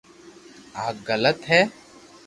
آ تو غلط ھي